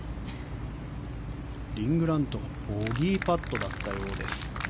リン・グラントボギーパットだったようです。